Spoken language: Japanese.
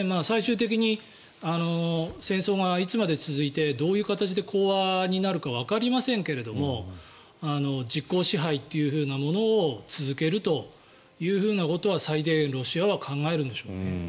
最終的に戦争がいつまで続いてどういう形で講和になるかわかりませんけれども実効支配っていうものを続けるということは最低限ロシアは考えるんでしょうね。